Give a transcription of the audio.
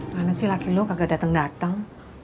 mana sih laki lo kagak dateng dateng